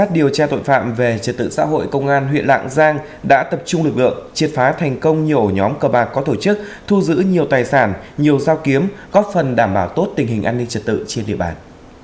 điều tra tội phạm về trật tự xã hội công an huyện lạng giang đã tập trung lực lượng triệt phá thành công nhiều ổ nhóm cờ bạc có tổ chức thu giữ nhiều tài sản nhiều dao kiếm góp phần đảm bảo tốt tình hình an ninh trật tự trên địa bàn